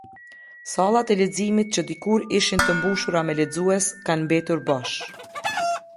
Sallat e leximit që dikur ishin të mbushura me lexues kanë mbetur bosh.